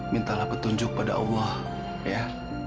mintalah petunjuk pada allah ya